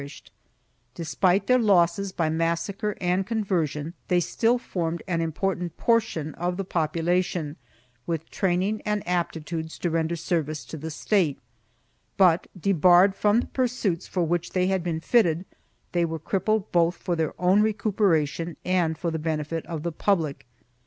120 THE JEWS AND THE CONVEESOS [BOOK I Despite their losses by massacre and conversion, they still formed an important portion of the population, with training and apti tudes to render service to the State but, debarred from the pursuits for which they had been fitted, they were crippled both for their own recuperation and for the benefit of the public.